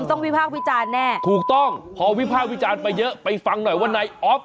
วิพากษ์วิจารณ์แน่ถูกต้องพอวิพากษ์วิจารณ์ไปเยอะไปฟังหน่อยว่านายอ๊อฟ